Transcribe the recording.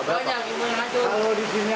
kalau di sini aja terhitung ya